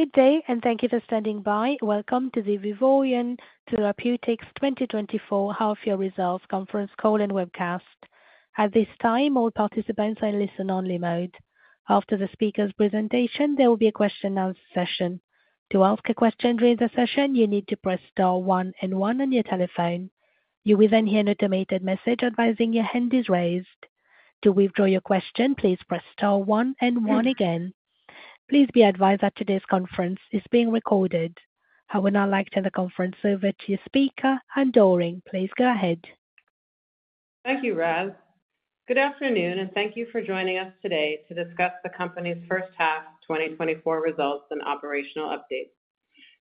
Good day, and thank you for standing by. Welcome to the Vivoryon Therapeutics 2024 Half-Year Results Conference Call And Webcast. At this time, all participants are in listen-only mode. After the speaker's presentation, there will be a question and answer session. To ask a question during the session, you need to press star one and one on your telephone. You will then hear an automated message advising your hand is raised. To withdraw your question, please press star one and one again. Please be advised that today's conference is being recorded. I would now like to turn the conference over to speaker, Anne Doering. Please go ahead. Thank you, Raz. Good afternoon, and thank you for joining us today to discuss the company's First Half 2024 Results and Operational Updates.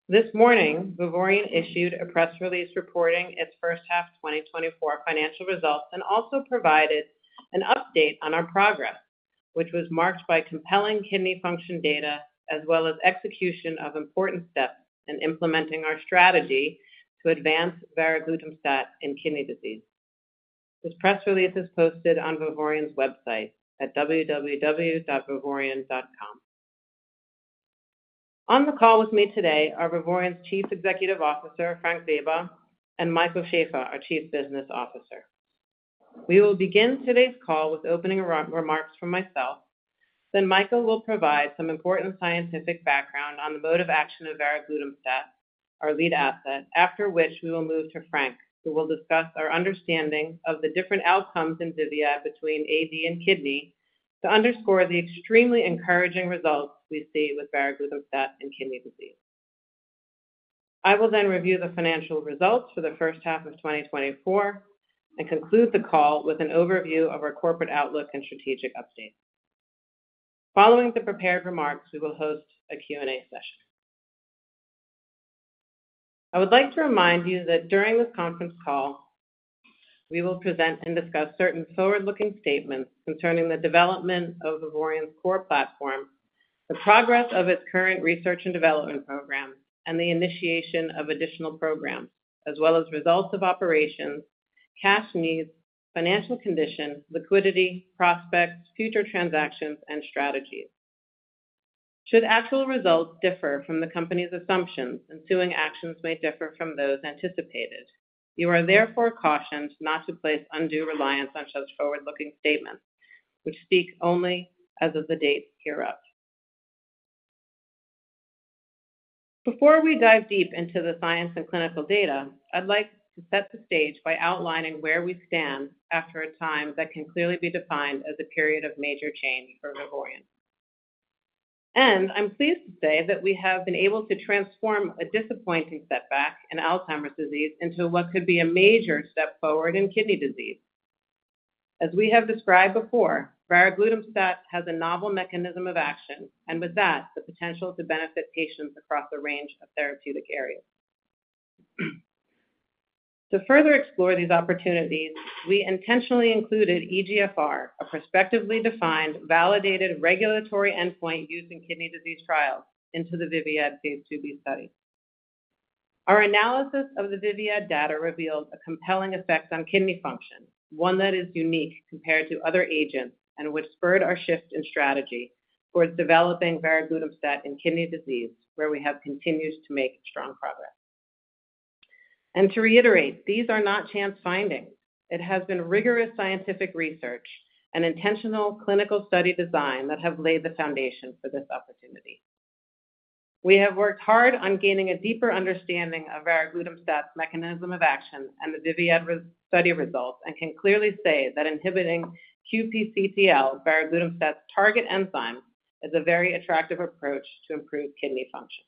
This morning, Vivoryon issued a press release reporting its first half 2024 financial results and also provided an update on our progress, which was marked by compelling kidney function data as well as execution of important steps in implementing our strategy to advance varoglutamstat in kidney disease. This press release is posted on Vivoryon's website at www.vivoryon.com. On the call with me today are Vivoryon's Chief Executive Officer, Frank Weber, and Michael Schaeffer, our Chief Business Officer. We will begin today's call with opening remarks from myself. Then Michael will provide some important scientific background on the mode of action of varoglutamstat, our lead asset. After which we will move to Frank, who will discuss our understanding of the different outcomes in ViViAD between AD and kidney, to underscore the extremely encouraging results we see with varoglutamstat in kidney disease. I will then review the financial results for theFirst Half of 2024 and conclude the call with an overview of our corporate outlook and strategic updates. Following the prepared remarks, we will host a Q&A session. I would like to remind you that during this conference call, we will present and discuss certain forward-looking statements concerning the development of Vivoryon's core platform, the progress of its current research and development program, and the initiation of additional programs, as well as results of operations, cash needs, financial condition, liquidity, prospects, future transactions, and strategies. Should actual results differ from the company's assumptions, ensuing actions may differ from those anticipated. You are therefore cautioned not to place undue reliance on such forward-looking statements, which speak only as of the date hereof. Before we dive deep into the science and clinical data, I'd like to set the stage by outlining where we stand after a time that can clearly be defined as a period of major change for Vivoryon, and I'm pleased to say that we have been able to transform a disappointing setback in Alzheimer's disease into what could be a major step forward in kidney disease. As we have described before, varoglutamstat has a novel mechanism of action, and with that, the potential to benefit patients across a range of therapeutic areas. To further explore these opportunities, we intentionally included eGFR, a prospectively defined, validated regulatory endpoint used in kidney disease trials into the ViViAD phase II-B study. Our analysis of the ViViAD data revealed a compelling effect on kidney function, one that is unique compared to other agents, and which spurred our shift in strategy towards developing varoglutamstat in kidney disease, where we have continued to make strong progress, and to reiterate, these are not chance findings. It has been rigorous scientific research and intentional clinical study design that have laid the foundation for this opportunity. We have worked hard on gaining a deeper understanding of varoglutamstat's mechanism of action and the ViViAD re-study results, and can clearly say that inhibiting QPCTL, varoglutamstat's target enzyme, is a very attractive approach to improve kidney function.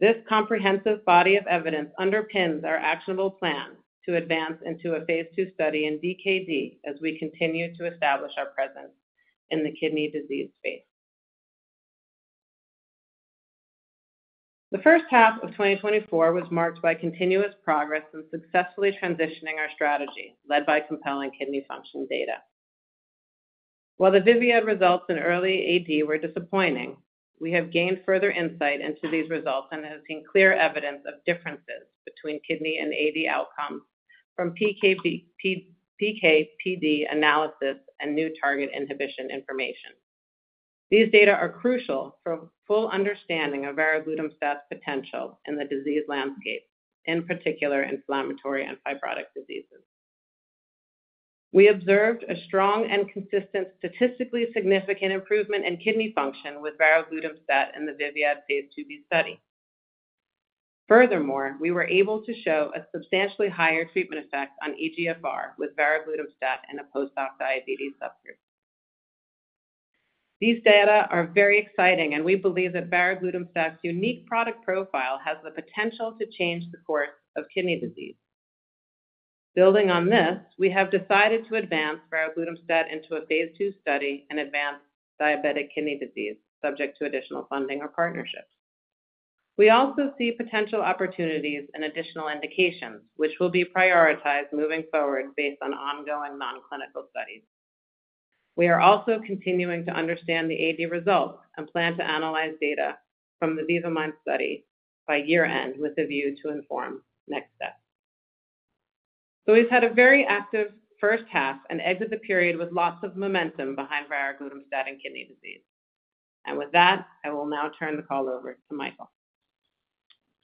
This comprehensive body of evidence underpins our actionable plan to advance into a phase II study in DKD as we continue to establish our presence in the kidney disease space. The first half of 2024 was marked by continuous progress in successfully transitioning our strategy, led by compelling kidney function data. While the ViViAD results in early AD were disappointing, we have gained further insight into these results and have seen clear evidence of differences between kidney and AD outcomes from PK, PD analysis and new target inhibition information. These data are crucial for a full understanding of varoglutamstat's potential in the disease landscape, in particular inflammatory and fibrotic diseases. We observed a strong and consistent, statistically significant improvement in kidney function with varoglutamstat in the ViViAD phase II-B study. Furthermore, we were able to show a substantially higher treatment effect on eGFR with varoglutamstat in a post-hoc diabetes subgroup. These data are very exciting, and we believe that varoglutamstat's unique product profile has the potential to change the course of kidney disease. Building on this, we have decided to advance varoglutamstat into a phase II study in advanced diabetic kidney disease, subject to additional funding or partnerships. We also see potential opportunities and additional indications, which will be prioritized moving forward based on ongoing non-clinical studies. We are also continuing to understand the AD results and plan to analyze data from the VIVA-MIND study by year-end, with a view to inform next steps. So we've had a very active first half and exit the period with lots of momentum behind varoglutamstat and kidney disease. And with that, I will now turn the call over to Michael.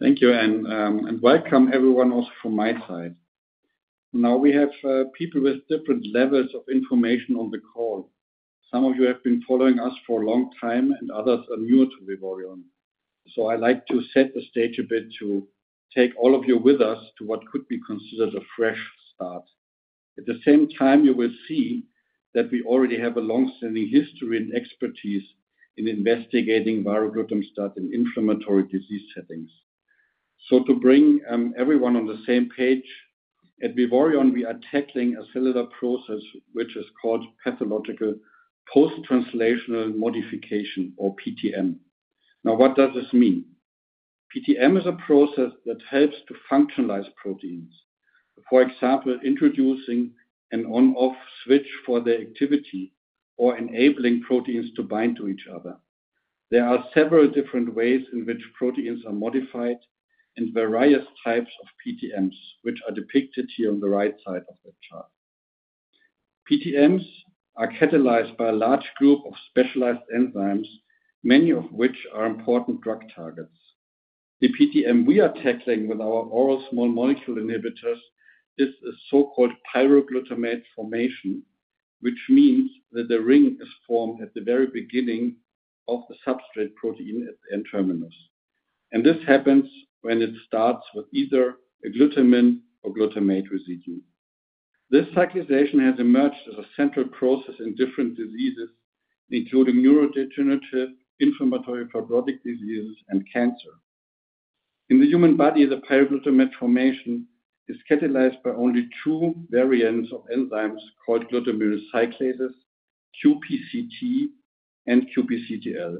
Thank you, Anne, and welcome everyone, also from my side. Now, we have people with different levels of information on the call. Some of you have been following us for a long time, and others are new to Vivoryon, so I'd like to set the stage a bit to take all of you with us to what could be considered a fresh start. At the same time, you will see that we already have a long-standing history and expertise in investigating varoglutamstat in inflammatory disease settings. So to bring everyone on the same page, at Vivoryon, we are tackling a cellular process, which is called pathological post-translational modification or PTM. Now, what does this mean? PTM is a process that helps to functionalize proteins. For example, introducing an on/off switch for the activity or enabling proteins to bind to each other. There are several different ways in which proteins are modified and various types of PTMs, which are depicted here on the right side of the chart. PTMs are catalyzed by a large group of specialized enzymes, many of which are important drug targets. The PTM we are tackling with our oral small molecule inhibitors is a so-called pyroglutamate formation, which means that the ring is formed at the very beginning of the substrate protein at the N-terminus. And this happens when it starts with either a glutamine or glutamate residue. This cyclization has emerged as a central process in different diseases, including neurodegenerative, inflammatory, fibrotic diseases, and cancer. In the human body, the pyroglutamate formation is catalyzed by only two variants of enzymes called glutaminyl cyclases, QPCT and QPCTL.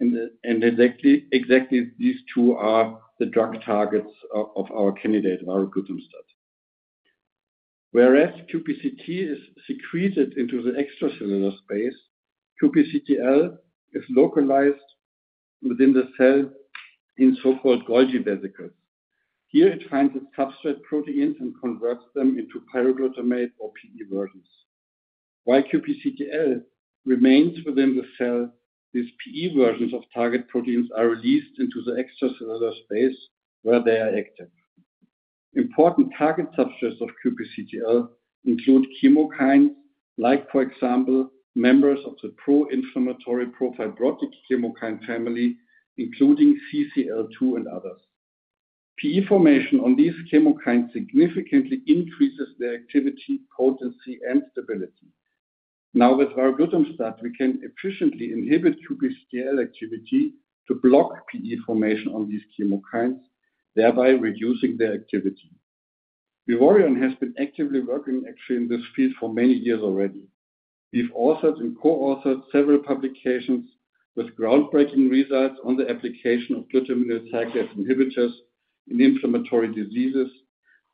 And exactly these two are the drug targets of our candidate, varoglutamstat. Whereas QPCT is secreted into the extracellular space, QPCTL is localized within the cell in so-called Golgi vesicles. Here, it finds its substrate proteins and converts them into pyroglutamate or pE versions. While QPCTL remains within the cell, these pE versions of target proteins are released into the extracellular space where they are active. Important target substrates of QPCTL include chemokines, like, for example, members of the pro-inflammatory, pro-fibrotic chemokine family, including CCL2 and others. PE formation on these chemokines significantly increases their activity, potency, and stability. Now, with varoglutamstat, we can efficiently inhibit QPCTL activity to block pE formation on these chemokines, thereby reducing their activity. Vivoryon has been actively working actually in this field for many years already. We've authored and co-authored several publications with groundbreaking results on the application of glutaminyl cyclase inhibitors in inflammatory diseases,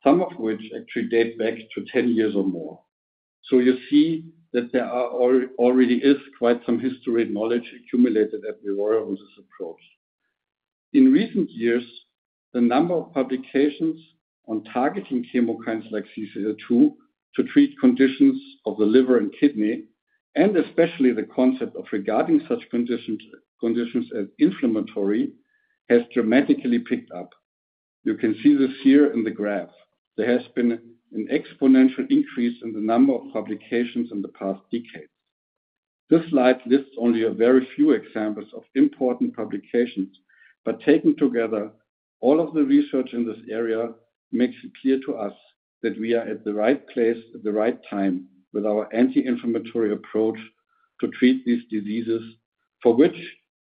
some of which actually date back to ten years or more. So you see that there already is quite some history and knowledge accumulated at Vivoryon on this approach. In recent years, the number of publications on targeting chemokines like CCL2 to treat conditions of the liver and kidney, and especially the concept of regarding such conditions as inflammatory, has dramatically picked up. You can see this here in the graph. There has been an exponential increase in the number of publications in the past decade. This slide lists only a very few examples of important publications, but taken together, all of the research in this area makes it clear to us that we are at the right place at the right time with our anti-inflammatory approach to treat these diseases, for which,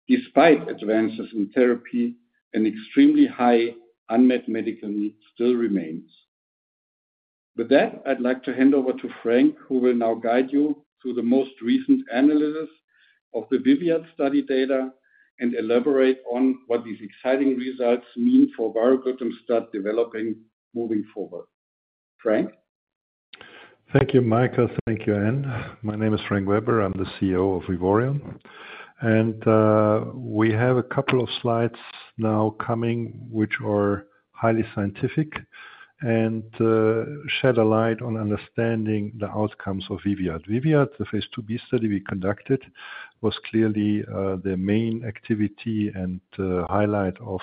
despite advances in therapy, an extremely high unmet medical need still remains. With that, I'd like to hand over to Frank, who will now guide you through the most recent analysis of the ViViAD study data and elaborate on what these exciting results mean for varoglutamstat development moving forward. Frank? Thank you, Michael. Thank you, Anne. My name is Frank Weber. I'm the CEO of Vivoryon, and we have a couple of slides now coming, which are highly scientific and shed a light on understanding the outcomes of ViViAD. ViViAD, the phase II-B study we conducted, was clearly the main activity and highlight of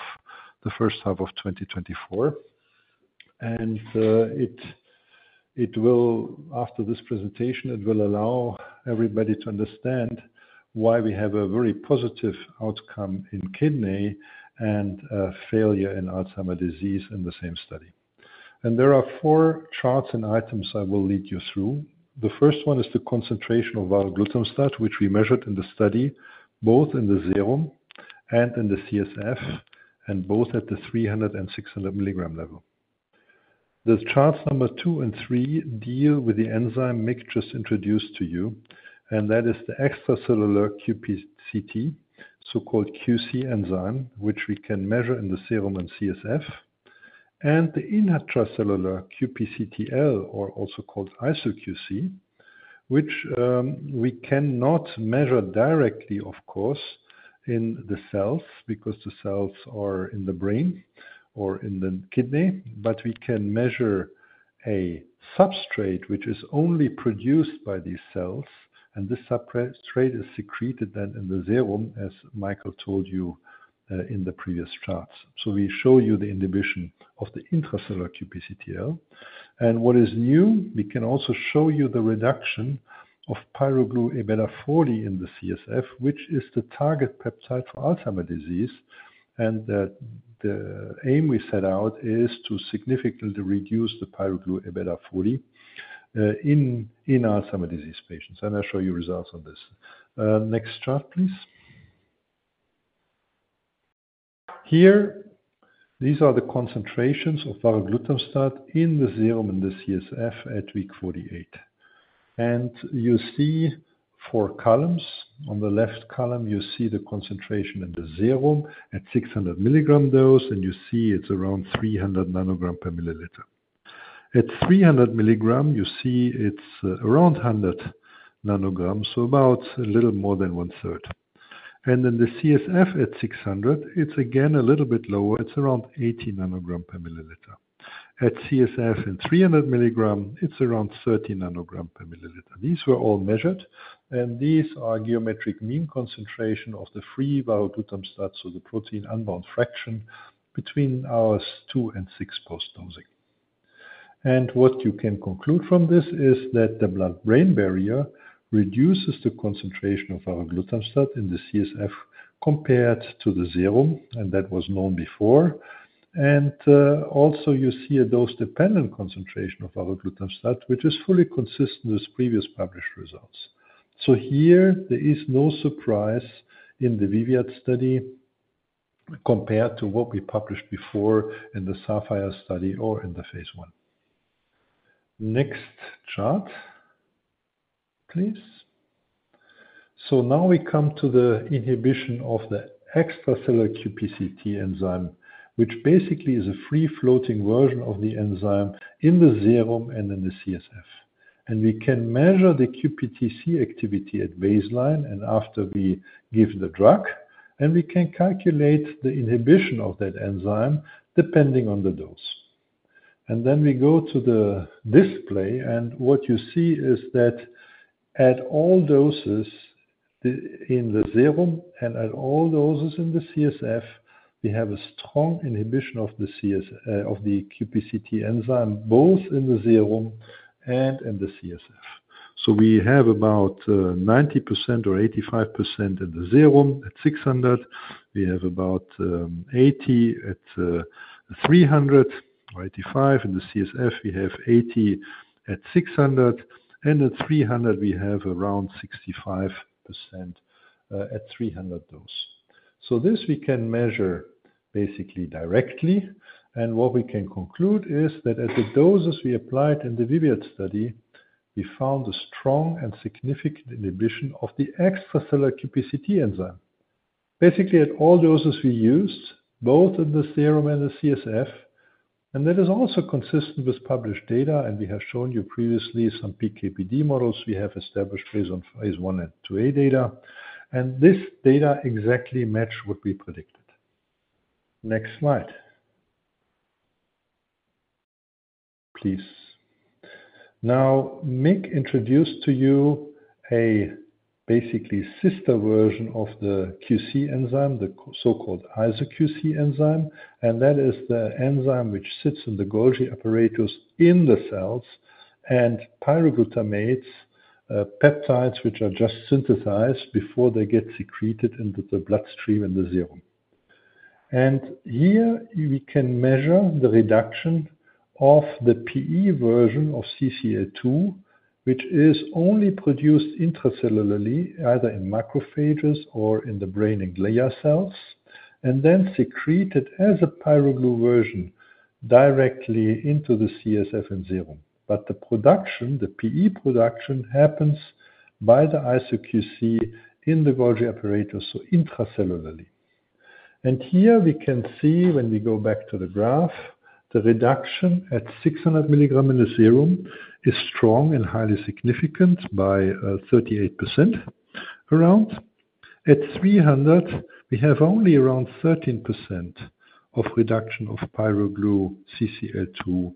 the first half of 2024. After this presentation, it will allow everybody to understand why we have a very positive outcome in kidney and failure in Alzheimer's disease in the same study. There are four charts and items I will lead you through. The first one is the concentration of varoglutamstat, which we measured in the study, both in the serum and in the CSF, and both at the 300 and 600 mg level. The charts number two and three deal with the enzyme Michael just introduced to you, and that is the extracellular QPCT, so-called QC enzyme, which we can measure in the serum and CSF, and the intracellular QPCTL, or also called isoQC, which we cannot measure directly, of course, in the cells, because the cells are in the brain or in the kidney. But we can measure a substrate which is only produced by these cells, and this substrate is secreted then in the serum, as Michael told you in the previous charts. So we show you the inhibition of the intracellular QPCTL. And what is new, we can also show you the reduction of pyroGlu A-beta 40 in the CSF, which is the target peptide for Alzheimer's disease. And the aim we set out is to significantly reduce the pyroGlu A-beta 40 in Alzheimer's disease patients, and I'll show you results on this. Next chart, please. Here, these are the concentrations of varoglutamstat in the serum and the CSF at week 48. And you see four columns. On the left column, you see the concentration in the serum at 600 milligram dose, and you see it's around 300 nanogram per milliliter. At 300 milligram, you see it's around 100 nanograms, so about a little more than one-third. And then the CSF at 600, it's again, a little bit lower, it's around 80 nanogram per milliliter. At CSF in 300 milligram, it's around 30 nanogram per milliliter. These were all measured, and these are geometric mean concentration of the free varoglutamstat, so the protein unbound fraction between hours two and six post-dosing. And what you can conclude from this is that the blood-brain barrier reduces the concentration of varoglutamstat in the CSF compared to the serum, and that was known before. And, also, you see a dose-dependent concentration of varoglutamstat, which is fully consistent with previous published results. So here there is no surprise in the ViViAD study compared to what we published before in the SAPPHIRE study or in the phase I. Next chart, please. So now we come to the inhibition of the extracellular QPCT enzyme, which basically is a free-floating version of the enzyme in the serum and in the CSF. And we can measure the QPCT activity at baseline and after we give the drug, and we can calculate the inhibition of that enzyme depending on the dose. And then we go to the display, and what you see is that at all doses in the serum and at all doses in the CSF, we have a strong inhibition of the QPCT enzyme, both in the serum and in the CSF. So we have about 90% or 85% in the serum. At 600, we have about 80, at 300 or 85. In the CSF, we have 80 at 600, and at 300, we have around 65% at 300 dose. So this we can measure basically directly. What we can conclude is that at the doses we applied in the ViViAD study, we found a strong and significant inhibition of the extracellular QPCT enzyme. Basically, at all doses we used, both in the serum and the CSF, and that is also consistent with published data, and we have shown you previously some PK/PD models we have established based on phase I and II-A data, and this data exactly match what we predicted. Next slide, please. Now, Mick introduced to you a basically sister version of the QC enzyme, the so-called isoQC enzyme, and that is the enzyme which sits in the Golgi apparatus in the cells and pyroglutamate peptides, which are just synthesized before they get secreted into the bloodstream and the serum. Here we can measure the reduction of the pE version of CCL2, which is only produced intracellularly, either in macrophages or in the brain and glia cells, and then secreted as a pyroGlu version directly into the CSF and serum. The production, the pE production, happens by the IsoQC in the Golgi apparatus, so intracellularly. Here we can see, when we go back to the graph, the reduction at 600 milligram in the serum is strong and highly significant by 38% around. At 300, we have only around 13% of reduction of pyroGlu CCL2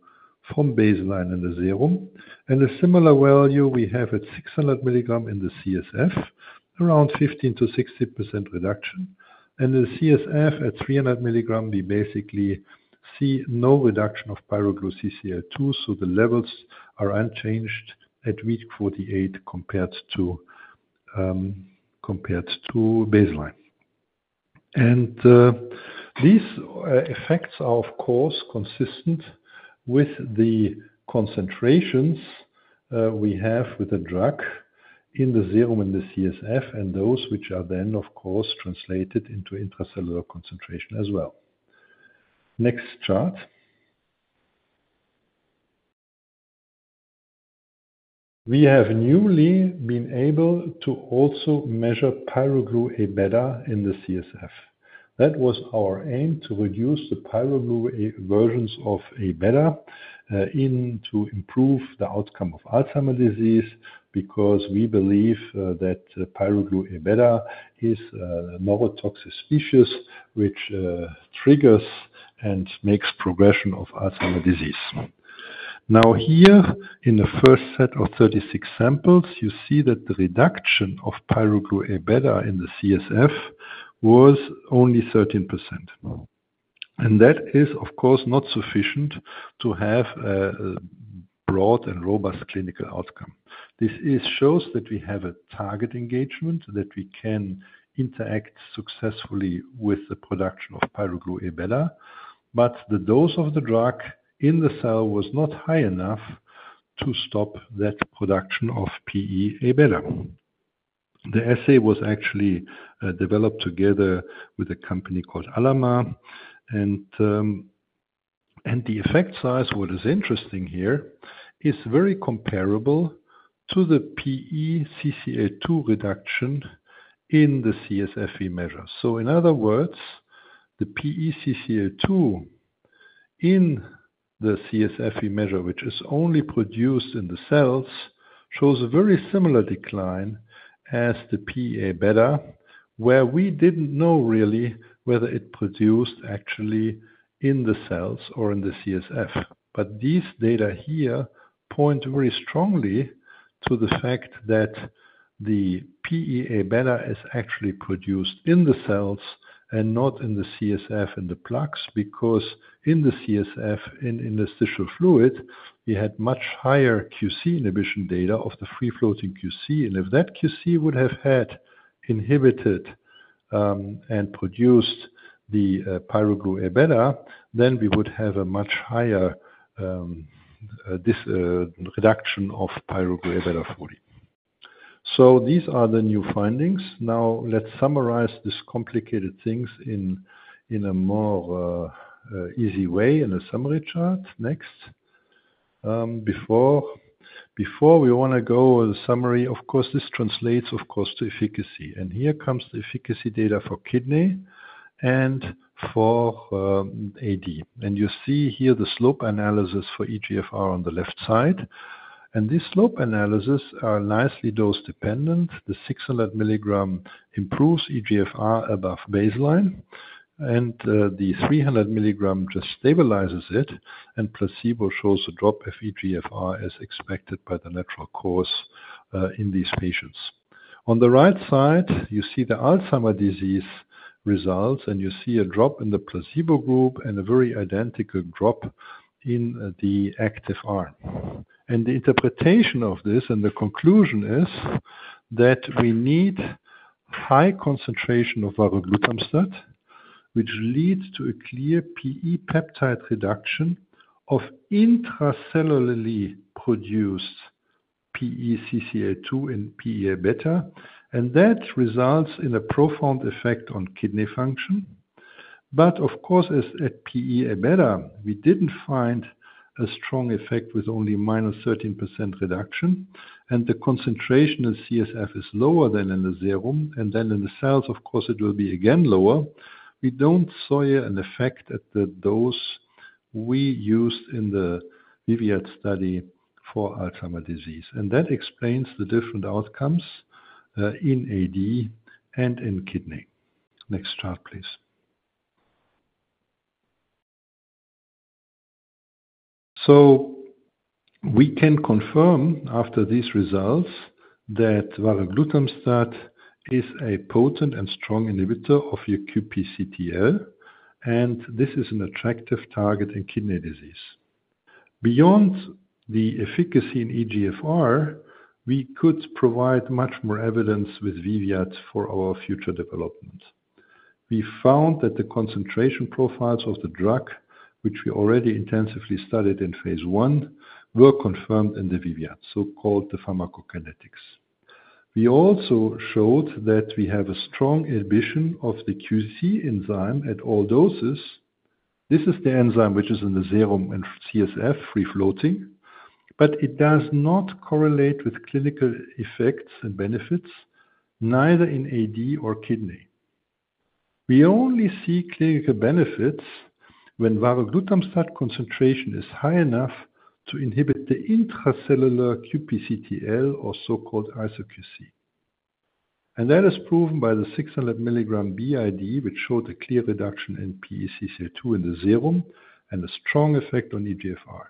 from baseline in the serum. A similar value we have at 600 milligram in the CSF, around 15% to 60% reduction. And the CSF at 300 milligram, we basically see no reduction of pyroGlu CCL2, so the levels are unchanged at week 48, compared to baseline. These effects are, of course, consistent with the concentrations we have with the drug in the serum and the CSF, and those which are then, of course, translated into intracellular concentration as well. Next chart. We have newly been able to also measure pyroGlu A-beta in the CSF. That was our aim, to reduce the pyroGlu versions of A-beta in order to improve the outcome of Alzheimer's disease, because we believe that pyroGlu A-beta is more toxic species, which triggers and makes progression of Alzheimer's disease. Now, here, in the first set of 36 samples, you see that the reduction of pyroGlu A-beta in the CSF was only 13%. And that is, of course, not sufficient to have a broad and robust clinical outcome. This shows that we have a target engagement, that we can interact successfully with the production of pyroGlu A-beta, but the dose of the drug in the cell was not high enough to stop that production of pE A-beta. The assay was actually developed together with a company called Alamar. And the effect size, what is interesting here, is very comparable to the pE CCL2 reduction in the CSF we measure. So in other words, the pE CCL2 in the CSF we measure, which is only produced in the cells, shows a very similar decline as the pE A-beta, where we didn't know really whether it produced actually in the cells or in the CSF. But these data here point very strongly to the fact that the pE A-beta is actually produced in the cells and not in the CSF, in the plaques, because in the CSF, in the interstitial fluid, we had much higher QC inhibition data of the free-floating QC. And if that QC would have had inhibited and produced the pyroGlu A-beta, then we would have a much higher reduction of pyroGlu A-beta 40. So these are the new findings. Now, let's summarize these complicated things in a more easy way, in a summary chart. Next. Before we want to go the summary, of course, this translates, of course, to efficacy. And here comes the efficacy data for kidney and for AD. You see here the slope analysis for eGFR on the left side, and this slope analysis are nicely dose-dependent. The 600 milligram improves eGFR above baseline, and, the 300 milligram just stabilizes it, and placebo shows a drop of eGFR, as expected by the natural course, in these patients. On the right side, you see the Alzheimer's disease results, and you see a drop in the placebo group and a very identical drop in, the active arm. And the interpretation of this, and the conclusion is, that we need high concentration of varoglutamstat, which leads to a clear pE peptide reduction of intracellularly produced pE CCL2 and pE A-beta, and that results in a profound effect on kidney function. But of course, as at pE A-beta, we didn't find a strong effect with only minus 13% reduction, and the concentration of CSF is lower than in the serum, and then in the cells, of course, it will be again lower. We didn't see here an effect at the dose we used in the ViViAD study for Alzheimer's disease, and that explains the different outcomes in AD and in kidney. Next chart, please. We can confirm after these results that varoglutamstat is a potent and strong inhibitor of QPCTL, and this is an attractive target in kidney disease. Beyond the efficacy in eGFR, we could provide much more evidence with ViViAD for our future development. We found that the concentration profiles of the drug, which we already intensively studied in phase I, were confirmed in the ViViAD, so-called the pharmacokinetics. We also showed that we have a strong inhibition of the QC enzyme at all doses. This is the enzyme which is in the serum and CSF free-floating, but it does not correlate with clinical effects and benefits, neither in AD or kidney. We only see clinical benefits when varoglutamstat concentration is high enough to inhibit the intracellular QPCTL or so-called isoQC, and that is proven by the 600 milligram BID, which showed a clear reduction in pE CCL2 in the serum, and a strong effect on eGFR.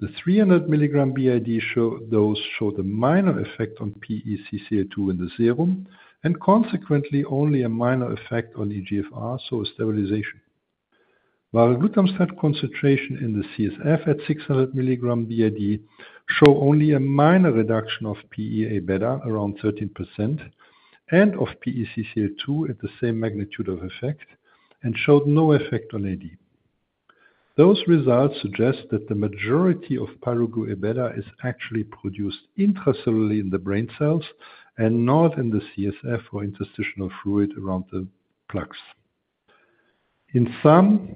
The 300 milligram BID showed a minor effect on pE CCL2 in the serum, and consequently, only a minor effect on eGFR, so a stabilization. Varoglutamstat concentration in the CSF at 600 milligram BID shows only a minor reduction of pE A-beta, around 13%, and of pE CCL2 at the same magnitude of effect, and showed no effect on AD. Those results suggest that the majority of pyroGlu A-beta is actually produced intracellularly in the brain cells and not in the CSF or interstitial fluid around the plaques. In sum,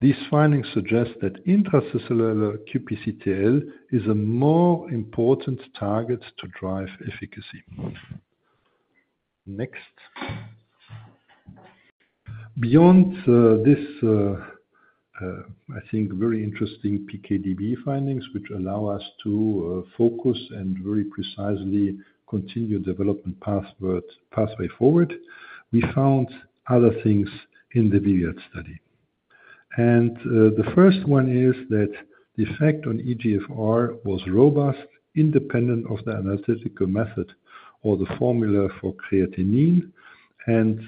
these findings suggest that intracellular QPCTL is a more important target to drive efficacy. Next. Beyond this, I think, very interesting PK/PD findings, which allow us to focus and very precisely continue development pathway forward, we found other things in the ViViAD study. The first one is that the effect on eGFR was robust, independent of the analytical method or the formula for creatinine. And,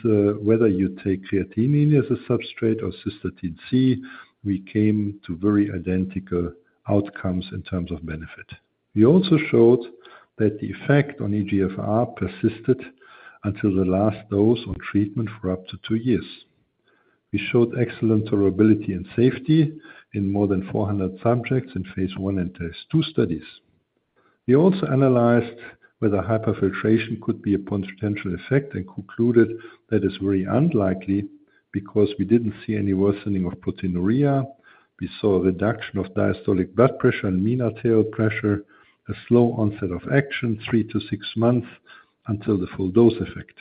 whether you take creatinine as a substrate or Cystatin C, we came to very identical outcomes in terms of benefit. We also showed that the effect on eGFR persisted until the last dose of treatment for up to two years. We showed excellent tolerability and safety in more than 400 subjects in phase I and phase II studies. We also analyzed whether hyperfiltration could be a potential effect and concluded that is very unlikely, because we didn't see any worsening of proteinuria. We saw a reduction of diastolic blood pressure and mean arterial pressure, a slow onset of action, three to six months until the full dose effect.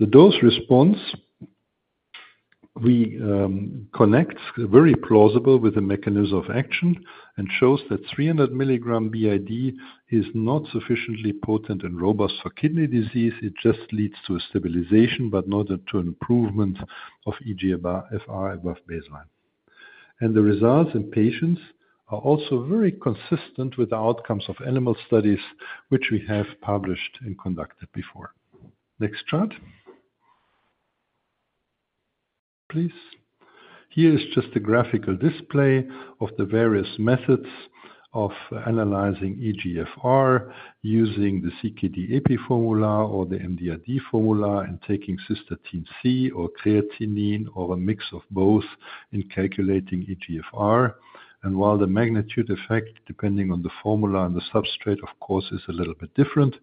The dose response, we, connect very plausible with the mechanism of action and shows that 300 milligram BID is not sufficiently potent and robust for kidney disease. It just leads to a stabilization, but not to an improvement of eGFR above baseline, and the results in patients are also very consistent with the outcomes of animal studies, which we have published and conducted before. Next chart, please. Here is just a graphical display of the various methods of analyzing eGFR using the CKD-EPI formula or the MDRD formula, and taking cystatin C or creatinine, or a mix of both in calculating eGFR, and while the magnitude effect, depending on the formula and the substrate, of course, is a little bit different,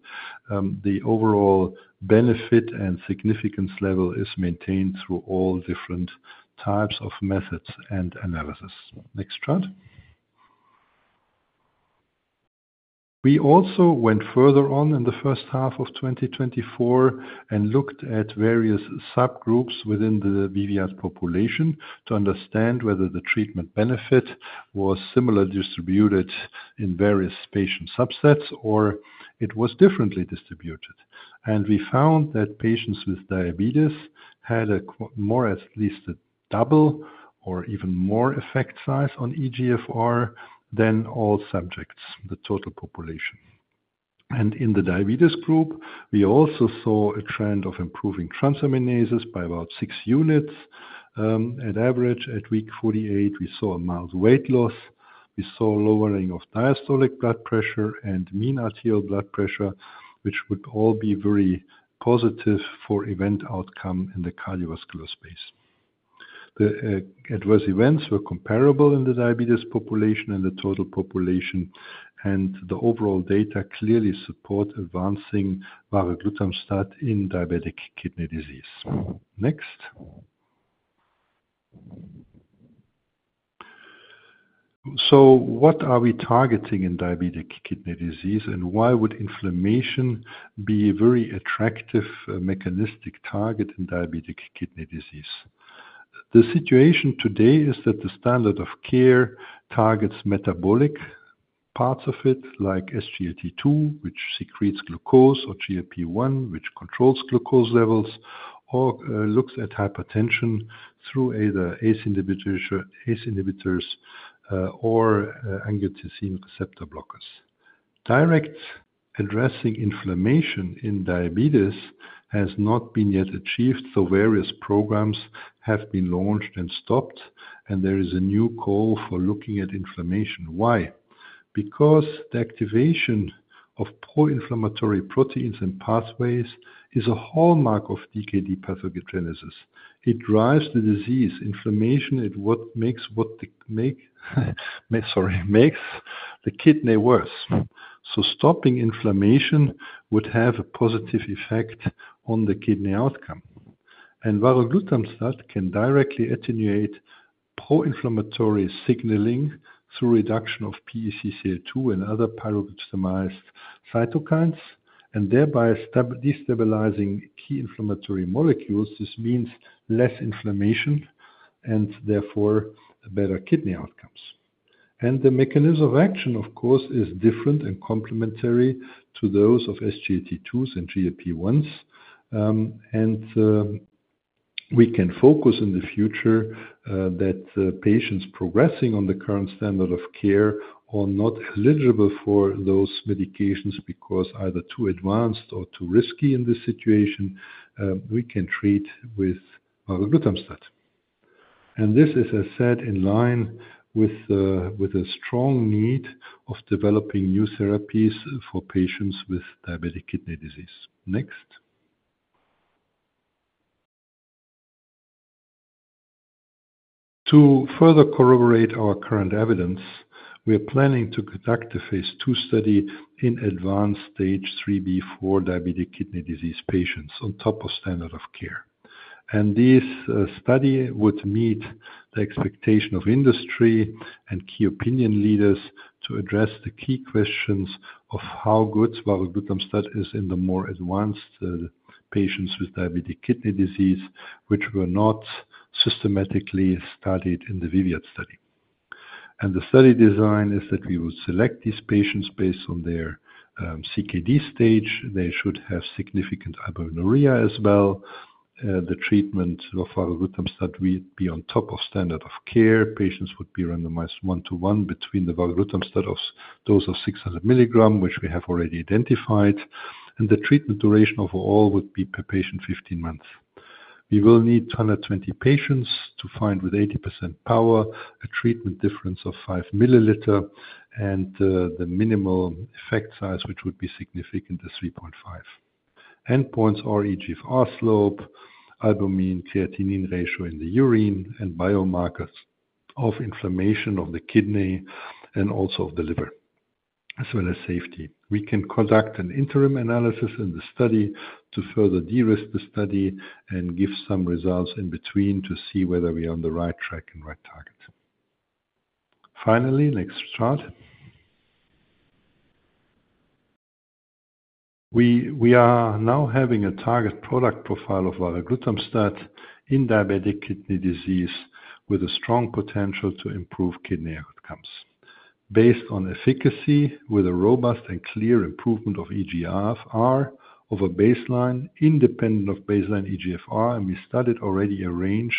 the overall benefit and significance level is maintained through all different types of methods and analysis. Next chart. We also went further on in the first half of twenty twenty-four and looked at various subgroups within the ViViAD population, to understand whether the treatment benefit was similar distributed in various patient subsets, or it was differently distributed. We found that patients with diabetes had a more, at least a double or even more effect size on eGFR than all subjects, the total population. In the diabetes group, we also saw a trend of improving transaminases by about six units, at average. At week forty-eight, we saw a mild weight loss. We saw lowering of diastolic blood pressure and mean arterial blood pressure, which would all be very positive for event outcome in the cardiovascular space. The adverse events were comparable in the diabetes population and the total population, and the overall data clearly support advancing varoglutamstat in diabetic kidney disease. Next. So what are we targeting in diabetic kidney disease, and why would inflammation be a very attractive, mechanistic target in diabetic kidney disease? The situation today is that the standard of care targets metabolic parts of it, like SGLT2, which secretes glucose, or GLP-1, which controls glucose levels, or looks at hypertension through either ACE inhibitors, or angiotensin receptor blockers. Direct addressing inflammation in diabetes has not been yet achieved, so various programs have been launched and stopped, and there is a new call for looking at inflammation. Why? Because the activation of pro-inflammatory proteins and pathways is a hallmark of DKD pathogenesis. It drives the disease, inflammation is what makes the kidney worse. So stopping inflammation would have a positive effect on the kidney outcome. Varoglutamstat can directly attenuate pro-inflammatory signaling through reduction of pE-CCL2 and other pyroglutamylated cytokines, and thereby destabilizing key inflammatory molecules. This means less inflammation and therefore better kidney outcomes. The mechanism of action, of course, is different and complementary to those of SGLT2s and GLP-1s. We can focus in the future that patients progressing on the current standard of care are not eligible for those medications because either too advanced or too risky in this situation. We can treat with varoglutamstat. This is, as said, in line with a strong need of developing new therapies for patients with diabetic kidney disease. To further corroborate our current evidence, we are planning to conduct a phase II-B study in advanced stage 3b/4 diabetic kidney disease patients on top of standard of care. This study would meet the expectation of industry and key opinion leaders to address the key questions of how good varoglutamstat is in the more advanced patients with diabetic kidney disease, which were not systematically studied in the ViViAD study. The study design is that we would select these patients based on their CKD stage. They should have significant proteinuria as well. The treatment of varoglutamstat will be on top of standard of care. Patients would be randomized one-to-one between the varoglutamstat dose of 600 milligrams, which we have already identified, and the treatment duration overall would be per patient 15 months. We will need 220 patients to find, with 80% power, a treatment difference of 5 mL/min and the minimal effect size, which would be significant to 3.5. Endpoints are eGFR slope, albumin-creatinine ratio in the urine, and biomarkers of inflammation of the kidney and also of the liver, as well as safety. We can conduct an interim analysis in the study to further de-risk the study and give some results in between to see whether we're on the right track and right target. Finally, next chart. We are now having a target product profile of varoglutamstat in diabetic kidney disease with a strong potential to improve kidney outcomes. Based on efficacy, with a robust and clear improvement of eGFR over baseline, independent of baseline eGFR, and we studied already a range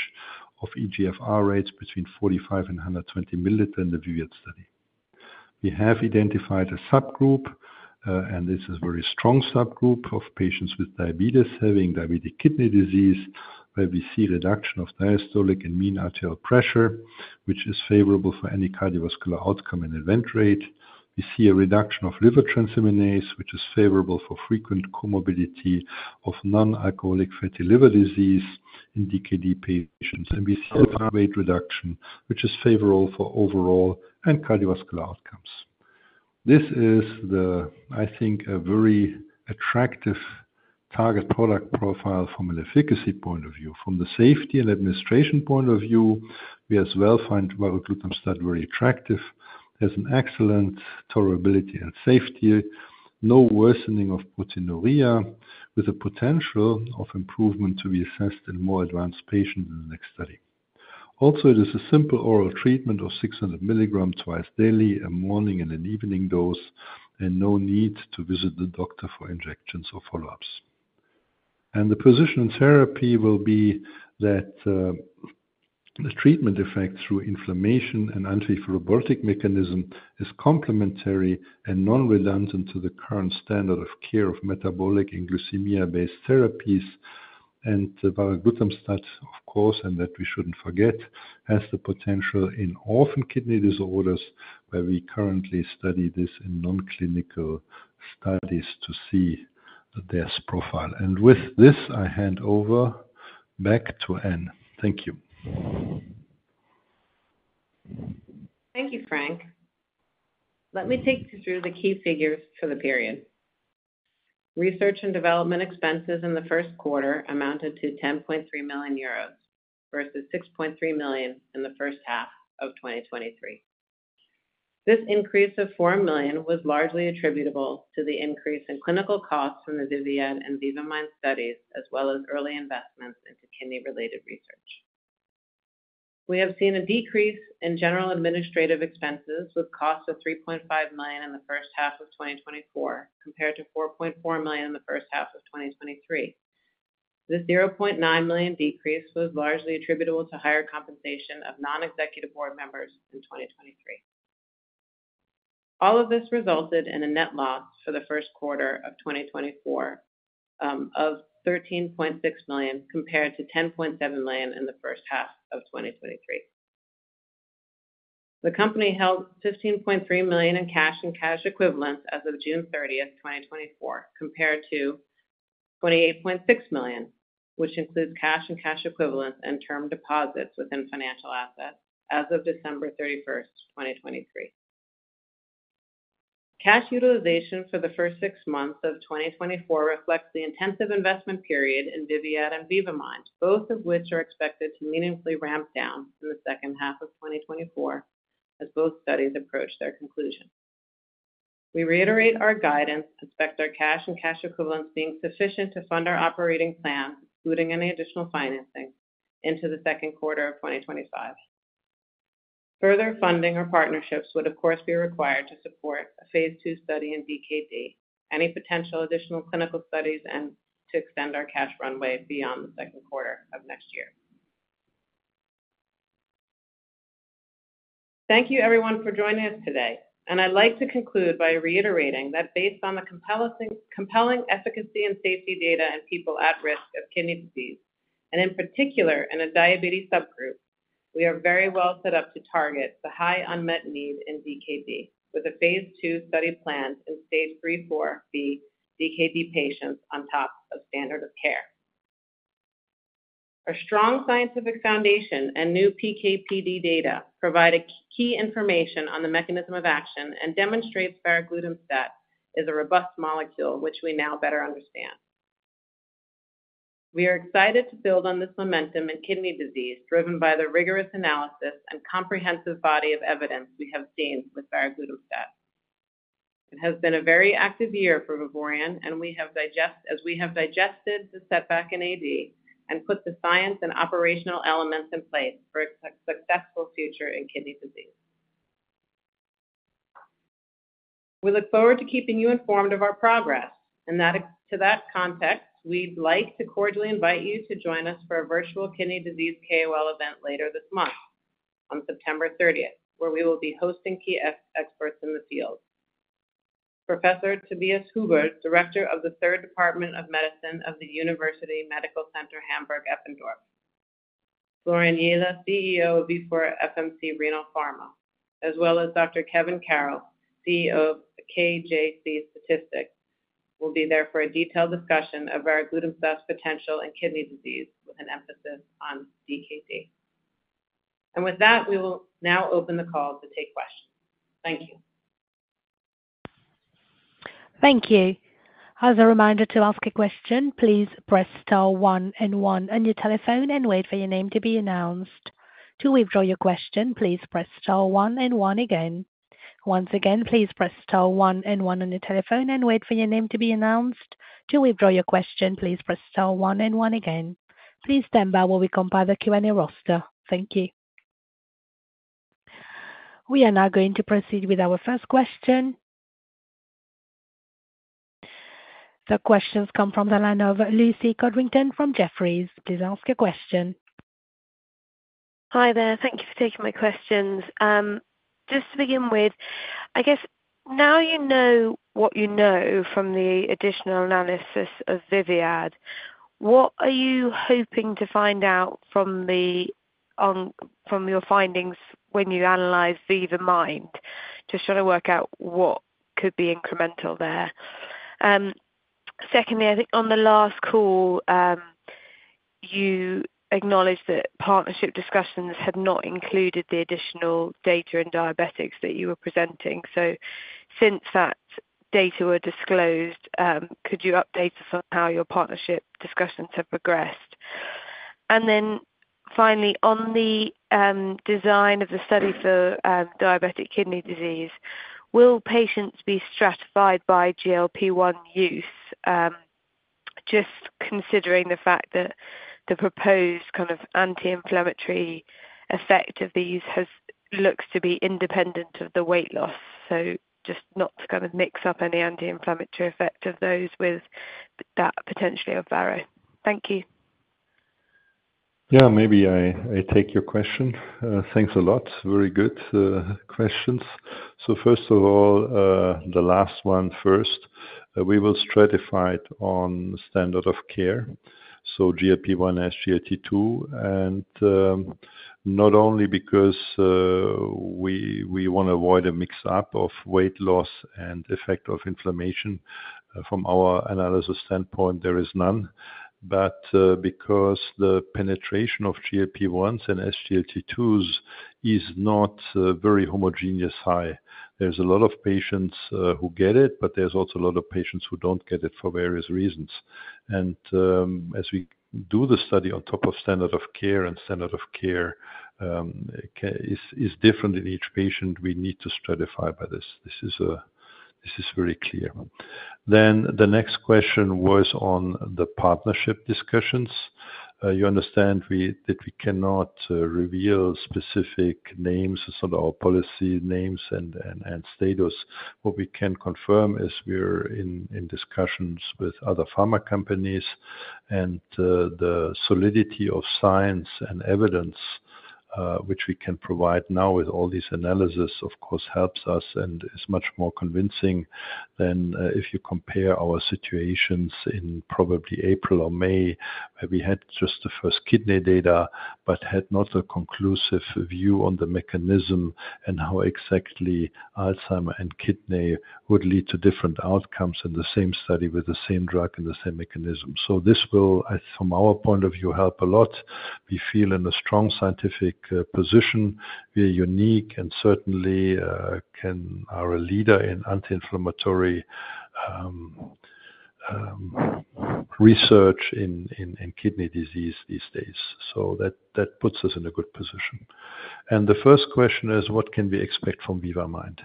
of eGFR rates between 45 and 120 milliliters in the ViViAD study. We have identified a subgroup, and this is a very strong subgroup of patients with diabetes, having diabetic kidney disease, where we see reduction of diastolic and mean arterial pressure, which is favorable for any cardiovascular outcome and event rate. We see a reduction of liver transaminase, which is favorable for frequent comorbidity of non-alcoholic fatty liver disease in DKD patients. And we see a weight reduction, which is favorable for overall and cardiovascular outcomes. This is the, I think, a very attractive target product profile from an efficacy point of view. From the safety and administration point of view, we as well find varoglutamstat very attractive. It has an excellent tolerability and safety, no worsening of proteinuria, with a potential of improvement to be assessed in more advanced patients in the next study. Also, it is a simple oral treatment of 600 milligrams twice daily, a morning and an evening dose, and no need to visit the doctor for injections or follow-ups. And the position in therapy will be that, the treatment effect through inflammation and anti-fibrotic mechanism is complementary and non-redundant to the current standard of care of metabolic and glycemia-based therapies. And varoglutamstat, of course, and that we shouldn't forget, has the potential in orphan kidney disorders, where we currently study this in non-clinical studies to see their profile. And with this, I hand over back to Anne. Thank you. Thank you, Frank. Let me take you through the key figures for the period. Research and development expenses in the first quarter amounted to 10.3 million euros, versus 6.3 million in the first half of 2023. This increase of 4 million was largely attributable to the increase in clinical costs from the ViViAD and VIVA-MIND studies, as well as early investments into kidney-related research. We have seen a decrease in general administrative expenses, with costs of 3.5 million in the first half of 2024, compared to 4.4 million in the first half of 2023. The 0.9 million decrease was largely attributable to higher compensation of non-executive board members in 2023. All of this resulted in a net loss for the first quarter of 2024 of 13.6 million, compared to 10.7 million in the first half of 2023. The company held 15.3 million in cash and cash equivalents as of June 30th, 2024, compared to 28.6 million, which includes cash and cash equivalents and term deposits within financial assets as of December 31st, 2023. Cash utilization for the first six months of 2024 reflects the intensive investment period in ViViAD and VIVA-MIND, both of which are expected to meaningfully ramp down through the second half of 2024 as both studies approach their conclusion. We reiterate our guidance, expect our cash and cash equivalents being sufficient to fund our operating plan, including any additional financing, into the second quarter of 2025. Further funding or partnerships would, of course, be required to support a phase II study in DKD, any potential additional clinical studies, and to extend our cash runway beyond the second quarter of next year. Thank you, everyone, for joining us today. And I'd like to conclude by reiterating that based on the compelling efficacy and safety data in people at risk of kidney disease, and in particular in a diabetes subgroup, we are very well set up to target the high unmet need in DKD with a phase II study planned in phase III, IV-B DKD patients on top of standard of care. A strong scientific foundation and new PK/PD data provide a key information on the mechanism of action and demonstrates varoglutamstat is a robust molecule, which we now better understand. We are excited to build on this momentum in kidney disease, driven by the rigorous analysis and comprehensive body of evidence we have seen with varoglutamstat. It has been a very active year for Vivoryon, and we have digested the setback in AD and put the science and operational elements in place for a successful future in kidney disease. We look forward to keeping you informed of our progress, and to that context, we'd like to cordially invite you to join us for a virtual kidney disease KOL event later this month, on September 30th, where we will be hosting key experts in the field. Professor Tobias Huber, Director of the Third Department of Medicine of the University Medical Center Hamburg-Eppendorf. Florian Jehle, CEO of Vifor Fresenius Medical Care Renal Pharma, as well as Dr. Kevin Carroll, CEO of KJC Statistics, will be there for a detailed discussion of varoglutamstat potential in kidney disease, with an emphasis on DKD. And with that, we will now open the call to take questions. Thank you. Thank you. As a reminder, to ask a question, please press star one and one on your telephone and wait for your name to be announced. To withdraw your question, please press star one and one again. Once again, please press star one and one on your telephone and wait for your name to be announced. To withdraw your question, please press star one and one again. Please stand by while we compile the Q&A roster. Thank you. We are now going to proceed with our first question. The questions come from the line of Lucy Codrington from Jefferies. Please ask your question. Hi there. Thank you for taking my questions. Just to begin with, I guess now you know what you know from the additional analysis of ViViAD, what are you hoping to find out from your findings when you analyze VIVA-MIND? Just try to work out what could be incremental there. Secondly, I think on the last call, you acknowledged that partnership discussions had not included the additional data in diabetics that you were presenting. So since that data were disclosed, could you update us on how your partnership discussions have progressed? And then finally, on the design of the study for diabetic kidney disease, will patients be stratified by GLP-1 use? Just considering the fact that the proposed kind of anti-inflammatory effect of these looks to be independent of the weight loss, so just not to kind of mix up any anti-inflammatory effect of those with that potentially of varoglutamstat. Thank you. Yeah, maybe I take your question. Thanks a lot. Very good questions. So first of all, the last one first. We will stratify on standard of care, so GLP-1, SGLT2, and not only because we want to avoid a mix-up of weight loss and effect of inflammation. From our analysis standpoint, there is none, but because the penetration of GLP-1s and SGLT2s is not a very homogeneous high. There's a lot of patients who get it, but there's also a lot of patients who don't get it for various reasons. And as we do the study on top of standard of care and standard of care is different in each patient, we need to stratify by this. This is very clear. Then the next question was on the partnership discussions. You understand that we cannot reveal specific names, sort of our policy on names and status. What we can confirm is we're in discussions with other pharma companies and the solidity of science and evidence which we can provide now with all these analysis, of course, helps us and is much more convincing than if you compare our situations in probably April or May, where we had just the first kidney data, but had not a conclusive view on the mechanism and how exactly Alzheimer's and kidney would lead to different outcomes in the same study with the same drug and the same mechanism. This will, from our point of view, help a lot. We feel in a strong scientific position, we are unique and certainly are a leader in anti-inflammatory research in kidney disease these days. So that puts us in a good position. And the first question is, what can we expect from VIVA MIND?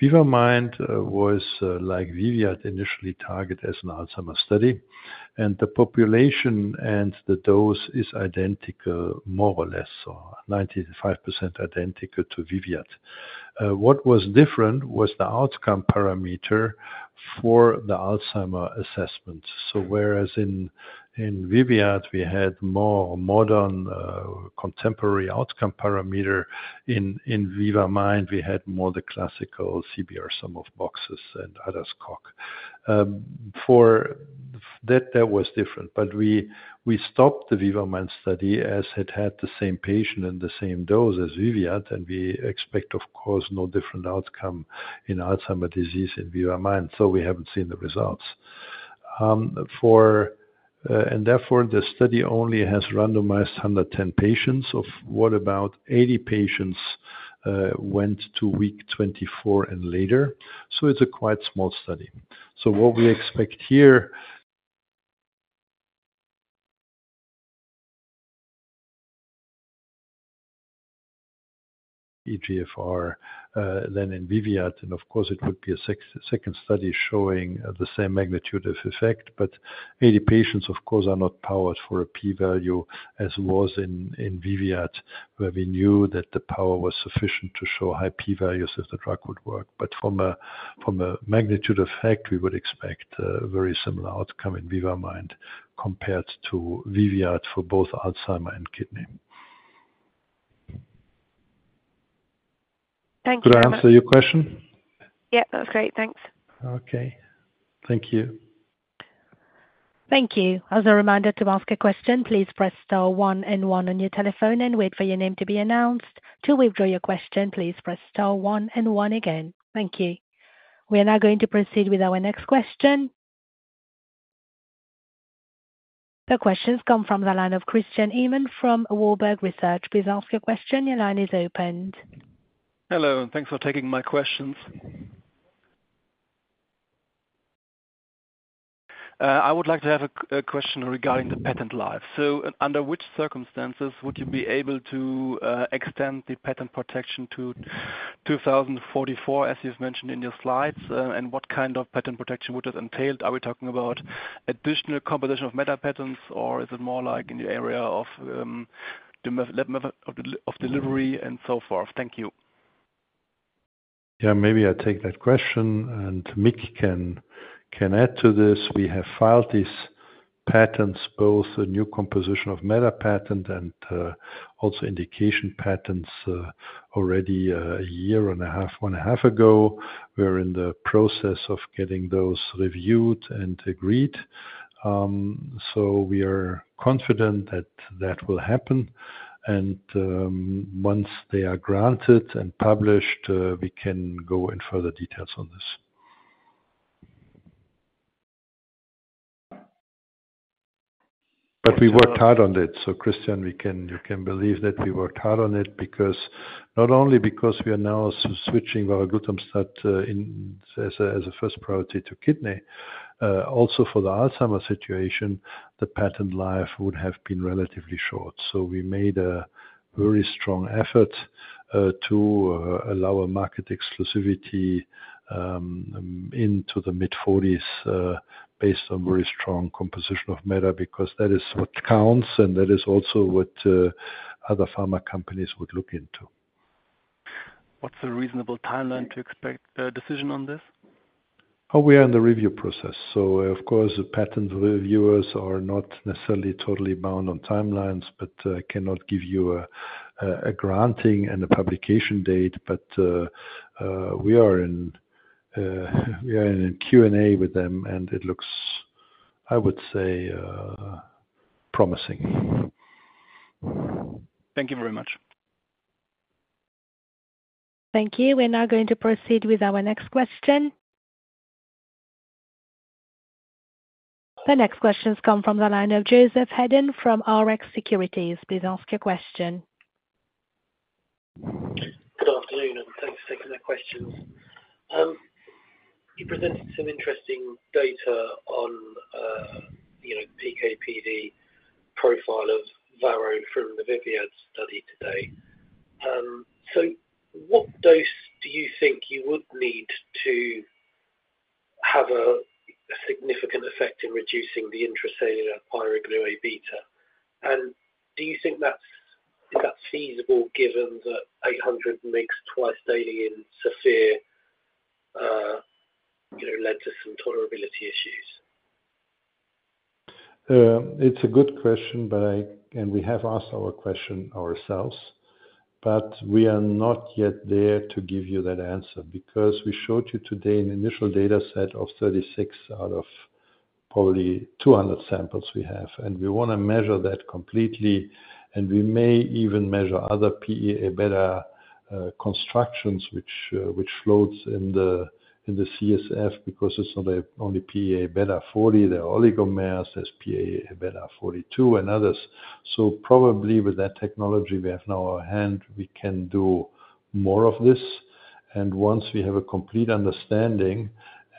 VIVA MIND was like ViViAD, initially targeted as an Alzheimer's study, and the population and the dose is identical, more or less, or 95% identical to ViViAD. What was different was the outcome parameter for the Alzheimer's assessment. So whereas in ViViAD, we had more modern contemporary outcome parameter, in VIVA MIND, we had more the classical CDR-SB sum of boxes and ADAS-Cog. For that was different. But we stopped the VIVA-MIND study, as it had the same patient and the same dose as ViViAD, and we expect, of course, no different outcome in Alzheimer's disease in VIVA-MIND, so we haven't seen the results. And therefore, the study only has randomized 110 patients of what about 80 patients went to week 24 and later. So it's a quite small study. So what we expect here, eGFR, then in ViViAD, and of course, it would be a second study showing the same magnitude of effect, but 80 patients, of course, are not powered for a P value, as was in ViViAD, where we knew that the power was sufficient to show high P values if the drug would work. From a magnitude effect, we would expect very similar outcome in VIVA-MIND compared to ViViAD for both Alzheimer's and kidney. Thank you very much. Did I answer your question? Yeah, that was great. Thanks. Okay. Thank you. Thank you. As a reminder, to ask a question, please press star one and one on your telephone and wait for your name to be announced. To withdraw your question, please press star one and one again. Thank you. We are now going to proceed with our next question. The question comes from the line of Christian Ehmann from Warburg Research. Please ask your question. Your line is open. Hello, and thanks for taking my questions. I would like to have a question regarding the patent life. So under which circumstances would you be able to extend the patent protection to two thousand and forty-four, as you've mentioned in your slides? And what kind of patent protection would this entail? Are we talking about additional composition of matter patents, or is it more like in the area of the method of delivery and so forth? Thank you. Yeah, maybe I take that question, and Mick can add to this. We have filed these patents, both a new composition of matter patent and also indication patents already a year and a half, one and a half ago. We're in the process of getting those reviewed and agreed. So we are confident that that will happen. And once they are granted and published, we can go in further details on this. But we worked hard on it. So, Christian, you can believe that we worked hard on it because not only because we are now switching varoglutamstat in as a first priority to kidney. Also for the Alzheimer situation, the patent life would have been relatively short. So we made a very strong effort to allow a market exclusivity into the mid-forties based on very strong composition of matter, because that is what counts, and that is also what other pharma companies would look into. What's a reasonable timeline to expect a decision on this? Oh, we are in the review process, so of course, the patent reviewers are not necessarily totally bound on timelines, but I cannot give you a granting and a publication date. But we are in a Q&A with them, and it looks, I would say, promising. Thank you very much. Thank you. We're now going to proceed with our next question. The next question's come from the line of Joseph Hedden from Rx Securities. Please ask your question. Good afternoon, and thanks for taking the questions. You presented some interesting data on, you know, PKPD profile of Varo from the ViViAD study today. So what dose do you think you would need to have a significant effect in reducing the intracellular pyroGlu A-beta? And do you think that's feasible given that eight hundred mgs twice daily in severe, you know, led to some tolerability issues? It's a good question, but I and we have asked our question ourselves, but we are not yet there to give you that answer because we showed you today an initial data set of 36 out of probably 200 samples we have, and we want to measure that completely, and we may even measure other pE A-beta constructions, which, which float in the CSF because it's only only pE A-beta 40. There are oligomers, there's pE A-beta 42 and others. So probably with that technology we have now our hand, we can do more of this. And once we have a complete understanding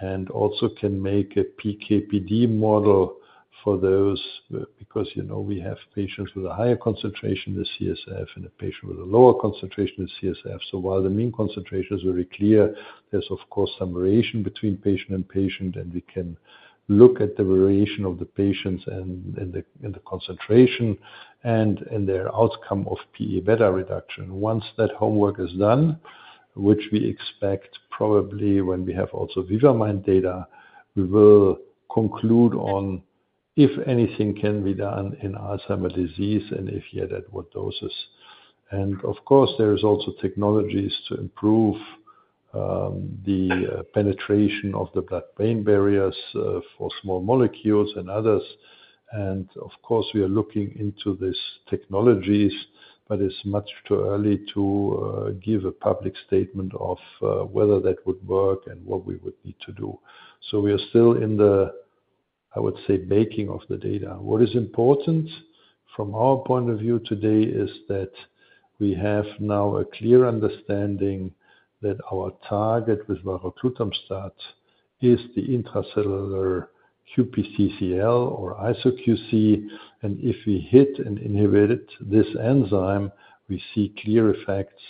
and also can make a PKPD model for those because you know, we have patients with a higher concentration of CSF and a patient with a lower concentration of CSF. So while the mean concentration is very clear, there's of course some variation between patient and patient, and we can look at the variation of the patients and the concentration and their outcome of pGlu A-beta reduction. Once that homework is done, which we expect probably when we have also VIVA-MIND data, we will conclude on if anything can be done in Alzheimer's disease and if yet, at what doses. And of course, there is also technologies to improve the penetration of the blood-brain barriers for small molecules and others. And of course, we are looking into these technologies, but it's much too early to give a public statement of whether that would work and what we would need to do. So we are still in the, I would say, making of the data. What is important from our point of view today, is that we have now a clear understanding that our target with varoglutamstat is the intracellular QPCTL or isoQC. And if we hit and inhibit it, this enzyme, we see clear effects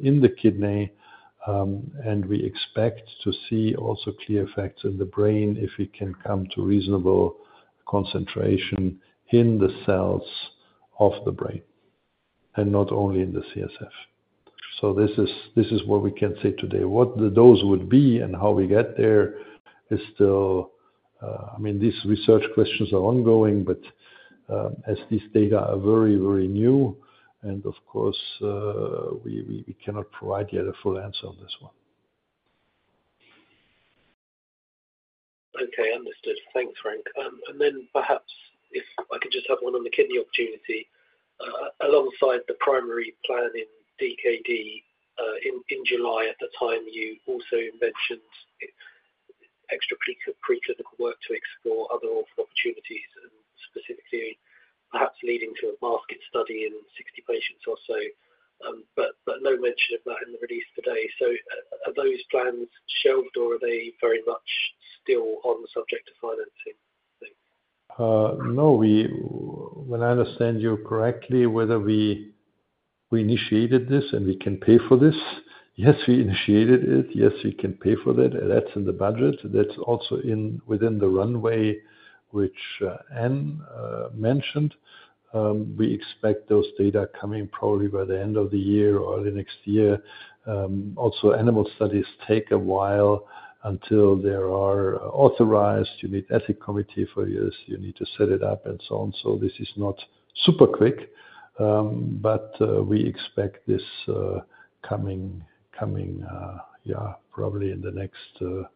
in the kidney. And we expect to see also clear effects in the brain if we can come to reasonable concentration in the cells of the brain, and not only in the CSF. So this is what we can say today. What the dose would be and how we get there is still, I mean, these research questions are ongoing, but, as this data are very, very new, and of course, we cannot provide yet a full answer on this one. Okay, understood. Thanks, Frank, and then perhaps if I could just have one on the kidney opportunity. Alongside the primary plan in DKD, in July at the time, you also mentioned extra preclinical work to explore other opportunities, and specifically, perhaps leading to a market study in 60 patients or so. But no mention of that in the release today, so are those plans shelved, or are they very much still on the subject to financing? No. When I understand you correctly, whether we initiated this and we can pay for this? Yes, we initiated it. Yes, we can pay for that. That's in the budget. That's also within the runway, which Anne mentioned. We expect those data coming probably by the end of the year or the next year. Also, animal studies take a while until they are authorized. You need ethics committee for this, you need to set it up and so on. So this is not super quick, but we expect this coming, yeah, probably in the next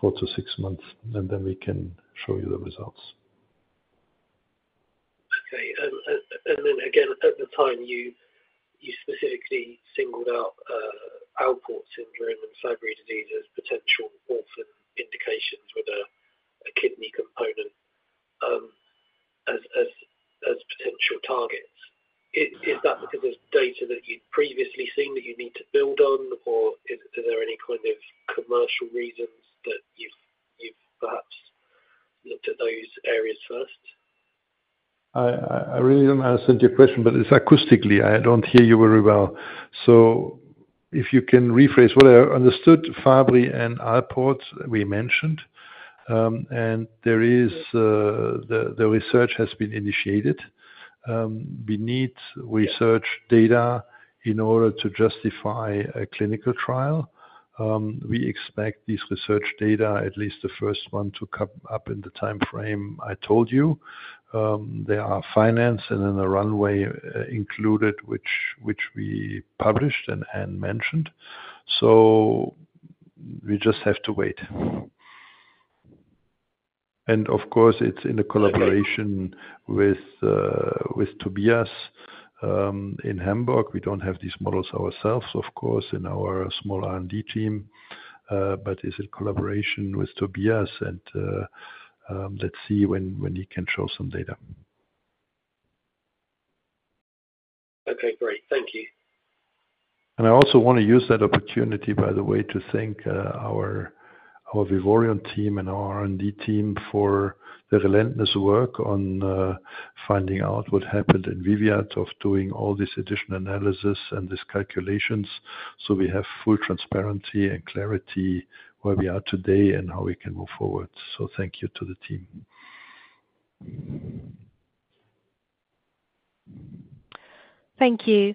four to six months, and then we can show you the results. Okay. And then again, at the time, you specifically singled out Alport syndrome and Fabry disease as potential orphan indications with a kidney component as potential targets. Is that because there's data that you'd previously seen that you need to build on, or is there any kind of commercial reasons that you've perhaps looked at those areas first? I really don't understand your question, but it's acoustically. I don't hear you very well. So if you can rephrase. What I understood, Fabry and Alport, we mentioned, and there is the research has been initiated. We need research data in order to justify a clinical trial. We expect this research data, at least the first one, to come up in the time frame I told you. They are financed and then the runway included which we published and mentioned. So we just have to wait. And of course, it's in a collaboration with Tobias in Hamburg. We don't have these models ourselves, of course, in our small R&D team, but it's a collaboration with Tobias and let's see when he can show some data. Okay, great. Thank you. And I also want to use that opportunity, by the way, to thank our Vivoryon team and our R&D team for their relentless work on finding out what happened in ViViAD, of doing all this additional analysis and these calculations. So we have full transparency and clarity where we are today and how we can move forward. So thank you to the team. Thank you.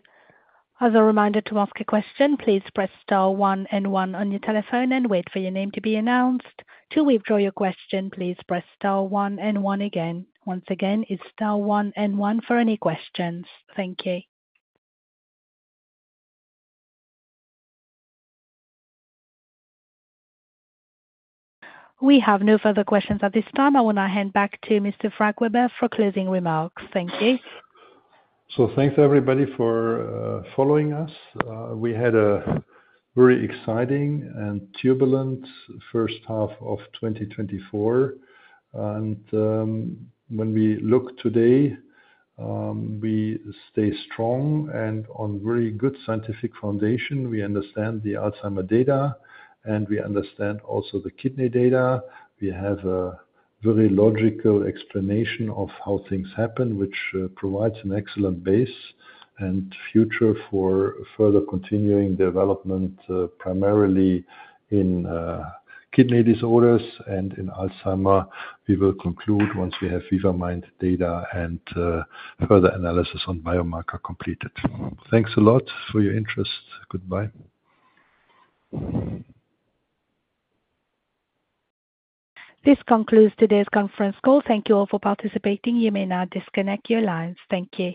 As a reminder to ask a question, please press star one and one on your telephone and wait for your name to be announced. To withdraw your question, please press star one and one again. Once again, it's star one and one for any questions. Thank you. We have no further questions at this time. I want to hand back to Mr. Frank Weber for closing remarks. Thank you. Thanks, everybody, for following us. We had a very exciting and turbulent first half of twenty twenty-four, and, when we look today, we stay strong and on very good scientific foundation. We understand the Alzheimer data, and we understand also the kidney data. We have a very logical explanation of how things happen, which provides an excellent base and future for further continuing development, primarily in kidney disorders and in Alzheimer. We will conclude once we have VIVA-MIND data and further analysis on biomarker completed. Thanks a lot for your interest. Goodbye. This concludes today's conference call. Thank you all for participating. You may now disconnect your lines. Thank you.